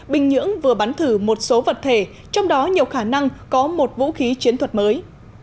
bình nhưỡng vừa bắn thử một số vật thể trong đó nhiều khả năng có một vũ khí chiến thuật mới